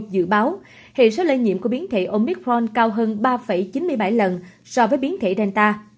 dự báo hệ số lây nhiễm của biến thể omitforn cao hơn ba chín mươi bảy lần so với biến thể relta